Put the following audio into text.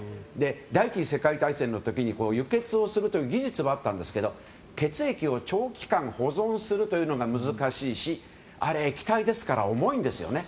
第２次世界大戦の時は輸血をするという技術はあったんですけど血液を長期間保存するというのが難しいし液体ですから重いんですね。